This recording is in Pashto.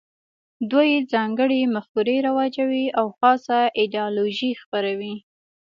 دوی ځانګړې مفکورې رواجوي او خاصه ایدیالوژي خپروي